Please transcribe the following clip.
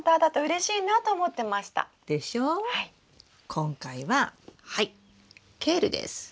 今回はケールです。